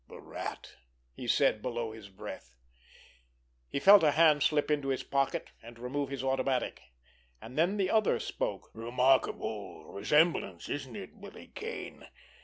"The Rat!" he said, below his breath. He felt a hand slip into his pocket, and remove his automatic. And then the other spoke: "Remarkable resemblance, isn't it—Billy Kane?